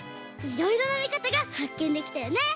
いろいろなみかたがはっけんできたよね！